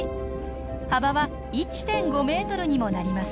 幅は１．５メートルにもなります。